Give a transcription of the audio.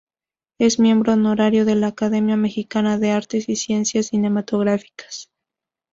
Es miembro honorario de la Academia Mexicana de Artes y Ciencias Cinematográficas.